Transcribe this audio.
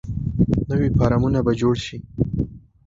نوي فارمونه به جوړ شي.